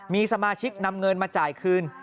มีสมาชิกนำเงินมาจ่ายคืน